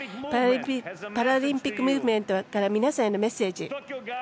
パラリンピックムーブメントからの皆様へのメッセージ。